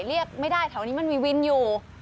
เรียกไม่ได้แถวนี้มันมีวินอยู่